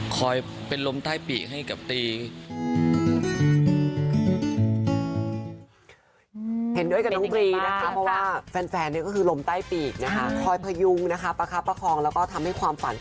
เป็นลมใต้ปีกให้กับตี